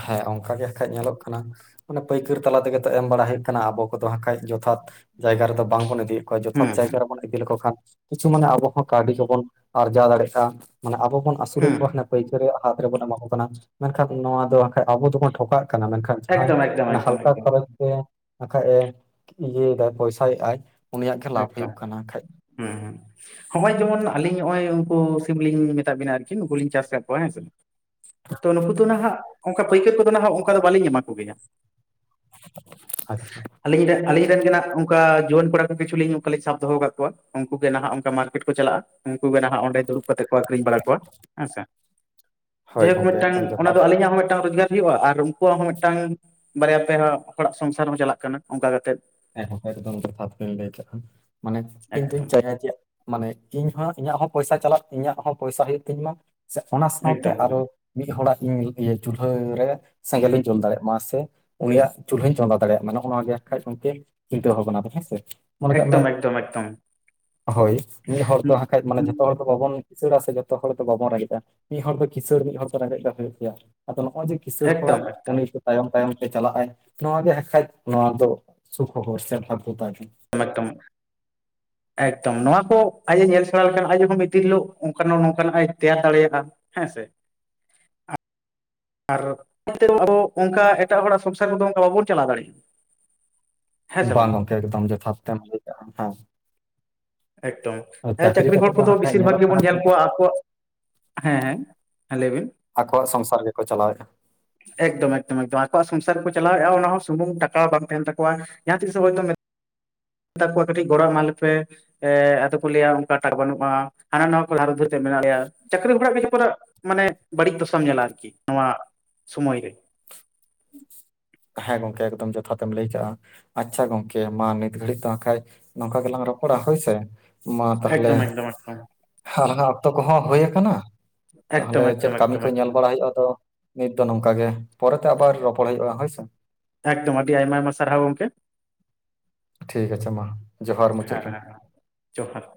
ᱦᱮᱸ ᱚᱱᱠᱟ ᱜᱮ ᱦᱟᱠᱷᱟᱡ ᱧᱮᱞᱚᱜ ᱠᱟᱱᱟ᱾ ᱢᱟᱱᱮ ᱯᱟᱹᱭᱠᱟᱹᱨ ᱛᱟᱞᱟ ᱛᱮᱜᱮ ᱛᱚ ᱮᱢ ᱵᱟᱲᱟ ᱦᱩᱭᱩᱜ ᱠᱟᱱᱟ, ᱟᱵᱚ ᱠᱚᱫᱚ ᱦᱟᱸᱜ ᱠᱷᱟᱡ ᱡᱚᱛᱷᱟᱛ ᱡᱟᱭᱜᱟ ᱨᱮᱫᱚ ᱵᱟᱝ ᱵᱚᱱ ᱤᱫᱤ ᱠᱟᱱᱟ ᱚᱠᱚ ᱦᱩᱸ ᱡᱚᱛᱷᱟᱛ ᱦᱩᱸ ᱡᱟᱭᱜᱟ ᱨᱮᱵᱚᱱ ᱤᱫᱤ ᱞᱮᱠᱚ ᱠᱷᱟᱱ ᱠᱤᱪᱷᱩ ᱢᱟᱱᱮ ᱟᱵᱚ ᱦᱚᱸ ᱠᱟᱹᱣᱰᱤ ᱠᱚᱵᱚᱱ ᱟᱨᱡᱟᱣ ᱫᱟᱲᱮᱭᱟᱜ-ᱟ ᱢᱟᱱᱮ ᱟᱵᱚ ᱵᱚᱱ ᱟᱹᱥᱩᱞᱮᱫ ᱦᱩᱸ ᱠᱚᱣᱟ ᱦᱟᱱᱮ ᱯᱟᱹᱭᱠᱟᱹᱨᱤᱭᱟᱹᱜ ᱦᱟᱛ ᱨᱮᱵᱚᱱ ᱮᱢᱟ ᱠᱚ ᱠᱟᱱᱟ, ᱢᱮᱱᱠᱷᱟᱱ ᱱᱚᱣᱟ ᱫᱚ ᱦᱟᱠᱷᱟᱡ ᱟᱵᱚ ᱫᱚᱵᱚᱱ ᱴᱷᱚᱠᱟᱜ ᱠᱟᱱᱟ ᱢᱮᱱᱠᱷᱟᱱ ᱮᱠᱫᱚᱢ ᱮᱠᱫᱚᱢ ᱡᱟᱦᱟᱸᱭ ᱮᱠᱫᱚᱢ ᱦᱟᱞᱠᱟ ᱮᱠᱫᱚᱢ ᱠᱷᱚᱨᱚᱪ ᱛᱮ ᱵᱟᱠᱷᱟᱡ ᱮ ᱤᱭᱟᱹᱭ ᱮᱫᱟᱭ ᱯᱚᱭᱥᱟᱭ ᱮᱫ-ᱟᱭ ᱩᱱᱤᱭᱟᱜ ᱜᱮ ᱞᱟᱵᱷ ᱦᱩᱭᱩᱜ ᱠᱟᱱᱟ ᱦᱟᱠᱷᱟᱡ᱾ ᱦᱩᱸ ᱦᱩᱸ ᱦᱚᱸᱜ-ᱚᱭ ᱡᱮᱢᱚᱱ ᱟᱹᱞᱤᱧ ᱱᱚᱜ-ᱚᱭ, ᱩᱱᱠᱩ ᱥᱤᱢᱞᱤᱧ ᱢᱮᱛᱟᱫ ᱵᱤᱱᱟ ᱟᱨᱠᱤ ᱱᱩᱠᱩ ᱞᱤᱧ ᱪᱟᱥ ᱟᱠᱟᱫ ᱠᱚᱣᱟ ᱦᱮᱸᱥᱮ᱾ ᱛᱚ ᱱᱩᱠᱩ ᱫᱚ ᱱᱟᱦᱟᱜ ᱚᱱᱠᱟ ᱯᱟᱹᱭᱠᱟᱹᱨ ᱠᱚᱫᱚ ᱱᱟᱦᱟᱜ ᱚᱱᱠᱟ ᱫᱚ ᱵᱟᱹᱞᱤᱧ ᱮᱢᱟ ᱠᱚ ᱜᱮᱭᱟ᱾ ᱟᱪᱪᱷᱟ, ᱟᱞᱤᱧ ᱟᱞᱤᱧ ᱨᱮᱱ ᱜᱮ ᱱᱟᱜ ᱚᱱᱠᱟ ᱡᱩᱣᱟᱹᱱ ᱠᱚᱲᱟ ᱡᱚᱛᱚ ᱠᱤᱪᱷᱩ ᱞᱤᱧ ᱚᱝᱠᱟ ᱥᱟᱵ ᱫᱚᱦᱚ ᱟᱠᱟᱫ ᱠᱚᱣᱟ᱾ ᱩᱱᱠᱩ ᱜᱮ ᱱᱟᱦᱟᱜ ᱚᱱᱠᱟ ᱢᱟᱨᱠᱮᱴ ᱠᱚ ᱪᱟᱞᱟᱜ-ᱟ, ᱩᱱᱠᱩ ᱜᱮ ᱱᱟᱦᱟᱜ ᱚᱸᱰᱮ ᱫᱩᱲᱩᱵ ᱠᱟᱛᱮ ᱠᱚ ᱟᱠᱷᱨᱤᱧ ᱵᱟᱲᱟ ᱠᱚᱣᱟ᱾ ᱦᱮᱸᱥᱮ ᱦᱳᱭ ᱡᱟᱭ ᱦᱳᱠ ᱜᱚᱝᱠᱮ ᱢᱤᱫᱴᱟᱝ ᱮᱠᱫᱚᱢ ᱚᱱᱟ ᱡᱚᱛᱷᱟᱛ ᱫᱚ ᱟᱹᱞᱤᱧᱟᱜ ᱦᱚᱸ ᱢᱤᱫᱴᱟᱝ ᱨᱳᱡᱽᱜᱟᱨ ᱦᱩᱭᱩᱜ-ᱟ ᱟᱨ ᱩᱱ- ᱠᱚᱣᱟᱜ ᱦᱚᱸ ᱢᱤᱫᱴᱟᱝ ᱵᱟᱨᱭᱟ, ᱯᱮᱭᱟ ᱦᱚᱲᱟᱜ ᱥᱚᱝᱥᱟᱨ ᱦᱚᱸ ᱪᱟᱞᱟᱜ ᱠᱟᱱᱟ ᱚᱱᱠᱟ ᱠᱟᱛᱮᱫ᱾ ᱦᱮᱸ ᱜᱚᱝᱠᱮ ᱮᱠᱫᱚᱢ ᱡᱚᱛᱷᱟᱵᱤᱱ ᱞᱟᱹᱭ ᱠᱟᱜ-ᱟ, ᱢᱟᱱᱮ ᱤᱧ ᱫᱩᱧ ᱮᱠᱫᱚᱢ ᱪᱟᱹᱭᱟ ᱡᱮ ᱢᱟᱱᱮ ᱤᱧ ᱦᱚᱸ ᱤᱧᱟᱹᱜ ᱦᱚᱸ ᱯᱚᱭᱥᱟ ᱪᱟᱞᱟᱜ ᱤᱧᱟᱹᱜ ᱦᱚᱸ ᱯᱚᱭᱥᱟ ᱦᱩᱭᱩᱜ ᱤᱧ ᱢᱟ ᱥᱮ ᱚᱱᱟ ᱥᱟᱶᱛᱮ ᱮᱠᱫᱚᱢ ᱟᱨᱚ ᱢᱤᱫ ᱦᱚᱲᱟᱜ ᱤᱧ ᱤᱭᱟᱹ ᱪᱩᱞᱦᱟᱹᱨᱮ ᱥᱮᱸᱜᱮᱞ ᱤᱧ ᱡᱩᱞ ᱫᱟᱲᱮᱭᱟᱜ ᱢᱟ ᱥᱮ ᱩᱱᱤᱭᱟᱜ ᱪᱩᱞᱦᱟᱹᱧ ᱪᱚᱸᱫᱟ ᱫᱟᱲᱮᱭᱟᱜ ᱢᱟ ᱱᱚᱜ-ᱱᱚᱣᱟ ᱜᱮ ᱠᱷᱟᱡ ᱜᱚᱢᱠᱮ ᱪᱤᱱᱛᱟᱹ ᱵᱷᱟᱵᱽᱱᱟ ᱫᱚ ᱦᱮᱸᱥᱮ᱾ ᱢᱚᱱᱮ ᱠᱟᱜ ᱢᱮ, ᱮᱠᱫᱚᱢ ᱮᱠᱫᱚᱢ ᱮᱠᱫᱚᱢ ᱮᱠᱫᱚᱢ ᱦᱳᱭ ᱢᱤᱫ ᱦᱚᱲ ᱫᱚ ᱦᱟᱠᱷᱟᱡ ᱢᱟᱱᱮ ᱡᱷᱚᱛᱚ ᱦᱚᱲ ᱵᱟᱵᱚᱱ ᱠᱤᱥᱟᱹᱲᱟ ᱥᱮ ᱡᱚᱛᱚ ᱦᱚᱲ ᱫᱚ ᱵᱟᱵᱚᱱ ᱨᱮᱜᱮᱡ-ᱟ ᱢᱤᱫ ᱦᱚᱲ ᱫᱚ ᱠᱤᱥᱟᱹᱲ ᱢᱤᱫ ᱦᱚᱲ ᱫᱚ ᱨᱮᱸᱜᱮᱡ ᱫᱚ ᱦᱳᱭᱳᱜ ᱜᱮᱭᱟ᱾ ᱟᱫᱚ ᱱᱚᱜ-ᱚᱭ ᱡᱮ ᱠᱤᱥᱟᱹᱲ ᱮᱠᱫᱚᱢ ᱦᱚᱲᱟᱜ ᱩᱱᱤ ᱮᱠᱫᱚᱢ ᱛᱟᱭᱚᱢ ᱛᱟᱭᱚᱢ ᱛᱮ ᱪᱟᱞᱟᱜ ᱟᱭ ᱱᱚᱣᱟ ᱜᱮ ᱦᱟᱠᱷᱟᱡ ᱱᱚᱣᱟ ᱫᱚ ᱥᱩ ᱠᱷᱚᱵᱚᱨ ᱥᱮ ᱵᱷᱟᱜᱜᱟ ᱛᱟᱭ ᱾ [inaudible] ᱮᱠᱫᱚᱢ ᱱᱚᱣᱟ ᱠᱚ ᱟᱡ ᱮ ᱧᱮᱞ ᱥᱮᱲᱟ ᱞᱮᱠᱷᱟᱱ ᱟᱡ ᱦᱚᱸ ᱢᱤᱫᱫᱤᱱ ᱦᱤᱞᱳᱜ ᱚᱝᱠᱟ ᱱᱚᱝᱠᱟᱱᱟᱜ ᱟᱡ ᱮ ᱛᱮᱭᱟᱨ ᱫᱟᱲᱮᱭᱟᱜ-ᱟ᱾ ᱦᱮᱸ ᱥᱮ? ᱟᱨ ᱚᱳᱠᱟ [inaudible] ᱮᱴᱟᱜ ᱦᱚᱲᱟᱜ ᱥᱚᱝᱥᱟᱨ ᱨᱮ ᱫᱚ ᱚᱝᱠᱟ ᱵᱟᱵᱚᱱ ᱪᱟᱞᱟᱣ ᱫᱟᱲᱮᱭᱟᱜ-ᱟ᱾ ᱵᱟᱝ ᱜᱚᱢᱠᱮ ᱮᱠᱫᱚᱢ ᱡᱚᱛᱷᱟᱛ ᱛᱮ ᱮᱢ ᱞᱟᱹᱭ ᱠᱟᱜ-ᱟ, ᱦᱮᱸ᱾ ᱮᱠᱫᱚᱢ ᱟᱨ ᱦᱮᱸ ᱪᱟᱹᱠᱨᱤ ᱠᱟᱛᱮᱫ ᱦᱚᱲ ᱠᱚ ᱫᱚ ᱦᱟᱸᱜ ᱠᱷᱟᱡ ᱵᱮᱥᱤᱨ ᱧᱮᱞᱚᱜ ᱵᱷᱟᱜᱽ ᱜᱮ ᱠᱟᱱᱟ ᱵᱚᱱ ᱡᱮ ᱧᱮᱞ ᱠᱚᱣᱟ ᱟᱠᱚᱣᱟᱜ ᱦᱮᱸ, ᱦᱮᱸ ᱞᱟᱹᱭ ᱵᱤᱱ ᱟᱠᱚᱣᱟᱜ ᱥᱚᱝᱥᱟᱨ ᱜᱮᱠᱚ ᱪᱟᱞᱟᱣᱮᱫᱼᱟ ᱮᱠᱫᱚᱢ ᱮᱠᱫᱚᱢ ᱮᱠᱫᱚᱢ ᱟᱠᱚᱣᱟᱜ ᱥᱚᱝᱥᱟᱨ ᱜᱮ ᱠᱚ ᱪᱟᱞᱟᱣᱮᱫᱼᱟ ᱚᱱᱟ ᱦᱚᱸ ᱥᱩᱢᱩᱝ ᱴᱟᱠᱟ ᱦᱚᱸ ᱵᱟᱝ ᱛᱟᱦᱮᱱ ᱛᱟᱠᱚᱣᱟ, ᱡᱟᱦᱟᱸ ᱛᱤᱥ ᱦᱚᱭᱛᱳ ᱢᱮᱛᱟ ᱠᱚᱣᱟ ᱠᱟᱹᱴᱤᱡ ᱜᱚᱲᱚ ᱮᱢᱟ ᱞᱮ ᱯᱮ, ᱮ ᱟᱫᱚ ᱠᱚ ᱞᱟᱹᱭᱟ ᱚᱱᱠᱟ ᱴᱟᱜ ᱵᱟᱹᱱᱩᱜᱼᱟ ᱦᱟᱱᱟ ᱱᱟᱣᱟ ᱠᱚ ᱫᱦᱟᱨ ᱩᱫᱷᱟᱹᱨ ᱛᱮ ᱢᱮᱱᱟᱜ ᱞᱮᱭᱟ ᱪᱟᱹᱠᱨᱤ ᱵᱚᱲᱟᱜ ᱜᱮ ᱯᱟᱨᱟ ᱾ ᱢᱟᱱᱮ ᱵᱟᱹᱲᱤᱡ ᱫᱚᱥᱟᱢ ᱧᱮᱞᱟ ᱟᱨᱠᱤ, ᱱᱚᱣᱟ ᱥᱩᱢᱚᱭ ᱨᱮ ᱦᱮᱸ ᱜᱚᱢᱠᱮ ᱮᱠᱫᱚᱢ ᱡᱚᱛᱷᱟᱛ ᱛᱮᱢ ᱞᱟᱹᱭ ᱟᱠᱟᱜᱼᱟ ᱾ ᱟᱪᱪᱷᱟ ᱜᱚᱢᱠᱮ ᱢᱟ ᱱᱤᱛ ᱜᱷᱟᱹᱲᱤᱡ ᱛᱚ ᱠᱷᱟᱡ ᱱᱚᱝᱠᱟ ᱜᱮᱞᱟᱝ ᱨᱚᱯᱚᱲᱟ ᱦᱳᱭ ᱥᱮ, ᱢᱟ ᱛᱟᱦᱚᱞᱮ ᱮᱠᱫᱚᱢ ᱮᱠᱫᱚᱢ ᱮᱠᱫᱚᱢ ᱟᱞᱟᱝᱟᱜ ᱚᱠᱛᱚ ᱠᱚᱦᱚᱸ ᱦᱳᱭ ᱟᱠᱟᱱᱟ ᱾ ᱛᱟᱦᱞᱮ ᱮᱠᱫᱚᱢ ᱮᱠᱫᱚᱢ ᱪᱮᱫ ᱠᱟᱹᱢᱤ ᱮᱠᱫᱚᱢ ᱠᱚ ᱧᱮᱞ ᱮᱠᱫᱚᱢ ᱵᱟᱲᱟ ᱦᱳᱭᱳᱜᱼᱟ ᱟᱫᱚ ᱱᱤᱛ ᱫᱚ ᱱᱚᱝᱠᱟ ᱜᱮ ᱯᱚᱨᱮᱛᱮ ᱟᱵᱟᱨ ᱨᱚᱯᱚᱲ ᱦᱳᱭᱳᱜᱼᱟ ᱦᱳᱭᱥᱮ, ᱮᱠᱫᱚᱢ ᱟᱹᱰᱤ ᱟᱭᱢᱟ ᱟᱭᱢᱟ ᱥᱟᱨᱦᱟᱣ ᱜᱚᱢᱠᱮ, ᱴᱷᱤᱠ ᱟᱪᱷᱮ ᱢᱟ, ᱡᱚᱦᱟᱨ ᱢᱩᱪᱟᱹᱫ ᱦᱮᱸ ᱨᱮ ᱾ ᱦᱮᱸ ᱡᱚᱦᱟᱨ,